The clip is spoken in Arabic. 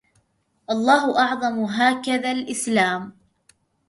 الله أعظم هكذا الاسلام